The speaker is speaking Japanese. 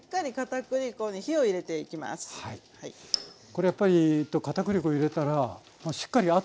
これやっぱりかたくり粉入れたらまあ